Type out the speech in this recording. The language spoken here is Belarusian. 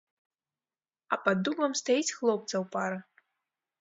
А пад дубам стаіць хлопцаў пара.